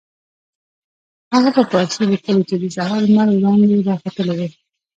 هغه په فارسي لیکلي چې د سهار لمر وړانګې را ختلې وې.